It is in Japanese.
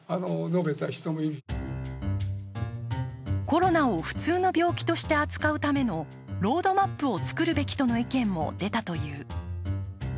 コロナを普通の病気として扱うためのロードマップを作るべきとの意見も出たという。